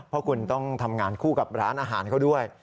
เพราะคุณต้องทำงานคู่กับร้านอาหารเขาด้วย